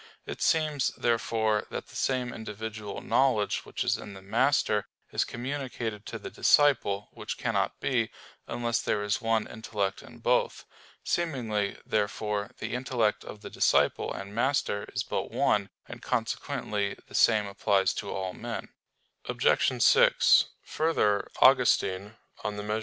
It seems, therefore, that the same individual knowledge which is in the master is communicated to the disciple; which cannot be, unless there is one intellect in both. Seemingly, therefore, the intellect of the disciple and master is but one; and, consequently, the same applies to all men. Obj. 6: Further, Augustine (De Quant.